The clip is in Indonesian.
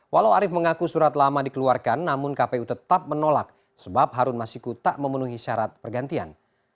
walau arief mengaku surat lama dikeluarkan namun kpu tetap menolak sebab harun masiku tak memenuhi syarat pergantian